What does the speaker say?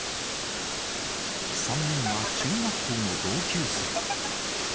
３人は中学校の同級生。